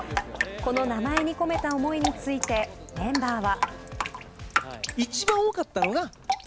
この名前に込めた思いについてメンバーは。